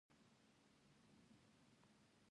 علي په خپل ظاهر ډېر خلک تېر ایستلي، ګني د هېڅ کار نه دی.